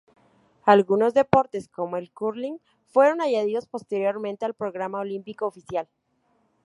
Algunos deportes, como el curling, fueron añadidos posteriormente al programa olímpico oficial.